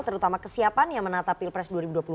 terutama kesiapan yang menata pilpres dua ribu dua puluh